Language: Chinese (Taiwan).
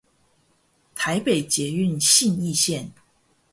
台北捷運信義線